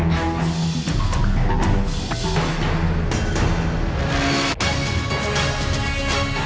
สวัสดีครับ